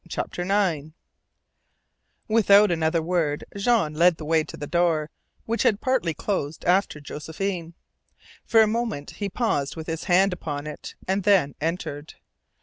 CHAPTER NINE Without another word Jean led the way to the door, which had partly closed after Josephine. For a moment he paused with his hand upon it, and then entered.